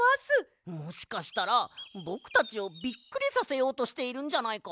もしかしたらぼくたちをびっくりさせようとしているんじゃないか？